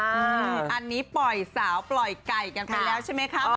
อันนี้ปล่อยสาวปล่อยไก่กันไปแล้วใช่ไหมครับ